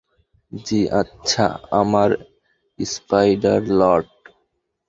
জ্বি আচ্ছা, আমার স্পাইডার-লর্ড।